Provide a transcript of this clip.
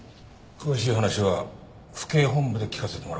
詳しい話は府警本部で聞かせてもらおう。